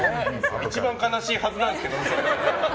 一番悲しいはずなんですけどね。